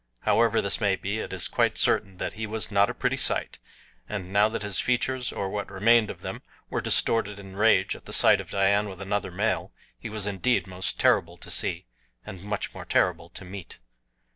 However this may be it is quite certain that he was not a pretty sight, and now that his features, or what remained of them, were distorted in rage at the sight of Dian with another male, he was indeed most terrible to see and much more terrible to meet.